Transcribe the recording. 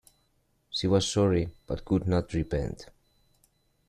She was sorry, but could not repent.